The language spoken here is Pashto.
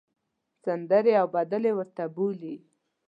سندرې او بدلې ورته بولۍ.